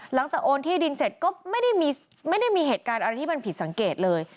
โอนที่ดินเสร็จก็ไม่ได้มีเหตุการณ์อะไรที่มันผิดสังเกตเลย